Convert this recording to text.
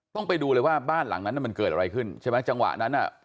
ต้องไปดูเลยว่าบ้านหลังนั้นมันเกิดอะไรขึ้นใช่ไหมจังหวะนั้นอ่ะ